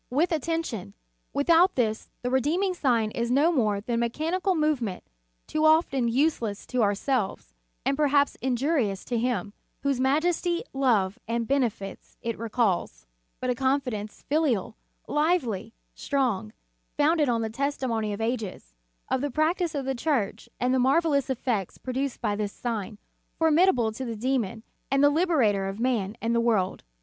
With attention ; without this, the redeem ing sign is no more than a mechanical move o o ment, too often useless to ourselves, and perhaps injurious to Him, whose majesty, love and benefits it recalls. In the Nineteenth Century. 323 With confidence ; but a confidence filial, lively, strong, founded on the testimony of ages, on the practice of the Church, and the marvellous effects produced by this sign, formidable to the demon, and the liberator of man and the world.